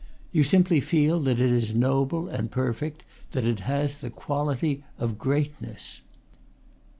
You simply feel that it is noble and perfect, that it has the quality of greatness.